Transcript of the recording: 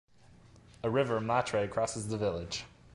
A river, Matre, crosses the village.